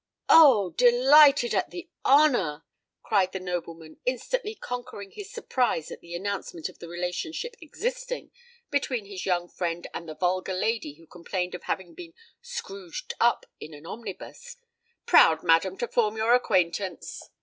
"Oh! delighted at the honour!" cried the nobleman, instantly conquering his surprise at this announcement of the relationship existing between his young friend and the vulgar lady who complained of having been "scrooged up in an omnibus:"—"proud, madam, to form your acquaintance!"